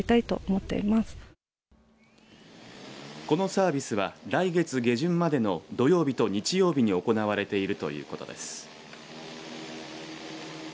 このサービスは来月下旬までの土曜日と日曜日に行われているということです。